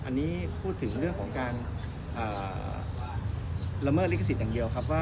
อันนี้พูดถึงเรื่องของการละเมิดฤทธิ์ศิกษ์อย่างเดียวครับ